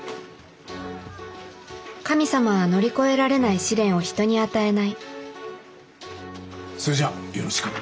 神様は乗り越えられない試練を人に与えないそれじゃあよろしく。